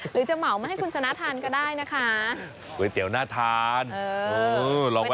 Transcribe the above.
หรือจะเหมาไม่ให้คุณชนะทานก็ได้นะค่ะ